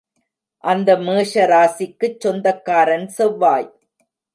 அந்த மேஷராசிக்குச் சொந்தக்காரன் செவ்வாய்.